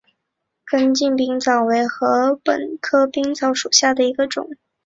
根茎冰草为禾本科冰草属下的一个种。